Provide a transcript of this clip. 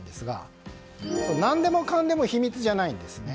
何でもかんでも秘密じゃないんですいね。